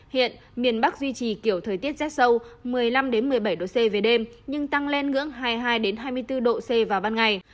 hiện miền bắc duy trì kiểu thời tiết rét sâu một mươi năm một mươi bảy độ c về đêm nhưng tăng lên ngưỡng hai mươi hai hai mươi bốn độ c vào ban ngày